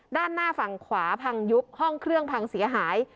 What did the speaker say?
ด้านหน้าฝั่งขวาพังยุบห้องเครื่องพังเสียหาย